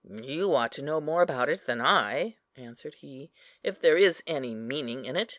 "You ought to know more about it than I," answered he, "if there is any meaning in it.